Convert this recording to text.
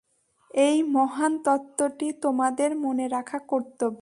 এই মহান তত্ত্বটি তোমাদের মনে রাখা কর্তব্য।